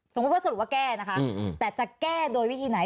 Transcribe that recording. สมมุติว่าแก้นะคะแต่จะแก้โดยวิธีไหน